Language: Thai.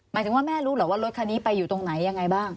หมายถึงว่าแม่รู้เหรอว่ารถคันนี้ไปอยู่ตรงไหนยังไงบ้าง